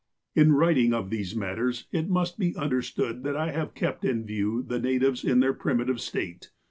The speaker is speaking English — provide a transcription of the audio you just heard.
" In writing of these matters, it must be understood that I have kept in view the natives in their primitive state.